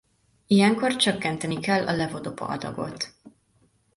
Ilyenkor csökkenteni kell a levodopa-adagot.